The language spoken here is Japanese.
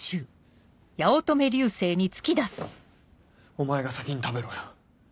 お前が先に食べろよ。